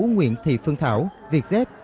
nguyễn thị phương thảo vietjet